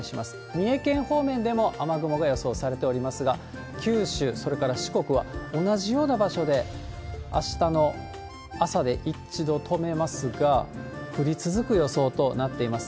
三重県方面でも雨雲が予想されておりますが、九州、それから四国は同じような場所で、あしたの朝で一度止めますが、降り続く予想となっています。